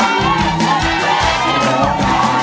ร้องได้ให้ร้าง